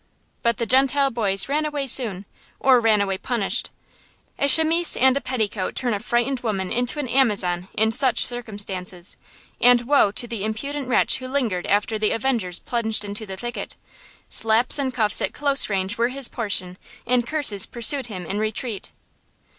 But the Gentile boys ran away soon, or ran away punished. A chemise and a petticoat turn a frightened woman into an Amazon in such circumstances; and woe to the impudent wretch who lingered after the avengers plunged into the thicket. Slaps and cuffs at close range were his portion, and curses pursued him in retreat.